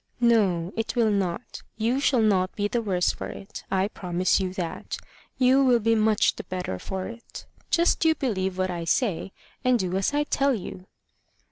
"No; it will not. You shall not be the worse for it I promise you that. You will be much the better for it. Just you believe what I say, and do as I tell you."